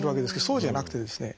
そうじゃなくてですね